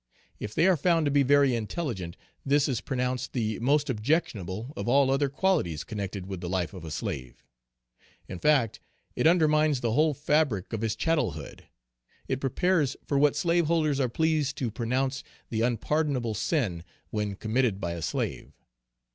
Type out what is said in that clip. If they are found to be very intelligent, this is pronounced the most objectionable of all other qualities connected with the life of a slave. In fact, it undermines the whole fabric of his chattelhood; it prepares for what slaveholders are pleased to pronounce the unpardonable sin when committed by a slave.